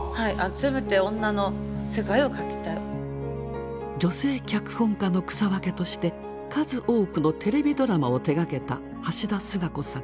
せめて女性脚本家の草分けとして数多くのテレビドラマを手がけた橋田壽賀子さん。